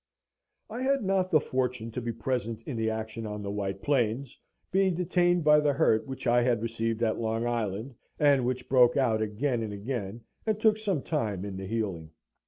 I had not the fortune to be present in the action on the White Plains, being detained by the hurt which I had received at Long Island, and which broke out again and again, and took some time in the healing.